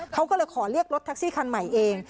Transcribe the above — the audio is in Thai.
เขาก็เลยขอเรียกรถแท็กซี่คันใหม่เอง